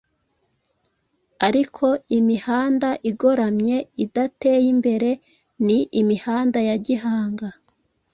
ariko imihanda igoramye idateye imbere ni imihanda ya gihanga.